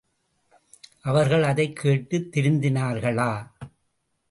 அவர்கள் அதைக் கேட்டுத் திருந்தினார்களா?